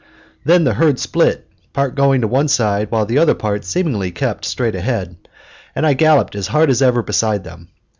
Then the herd split, part going to one side, while the other part seemingly kept straight ahead, and I galloped as hard as ever beside them.